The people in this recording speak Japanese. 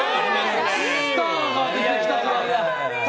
スターが出てきたかのよう。